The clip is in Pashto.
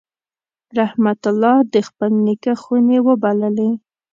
رحمت الله د خپل نیکه خونې وبللې.